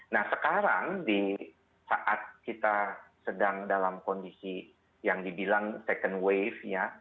nah sekarang di saat kita sedang dalam kondisi yang dibilang second wave ya